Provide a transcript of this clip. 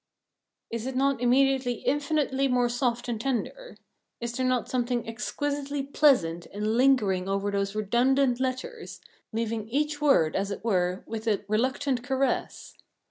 Is it not immediately infinitely more soft and tender? Is there not something exquisitely pleasant in lingering over those redundant letters, leaving each word, as it were, with a reluctant caress?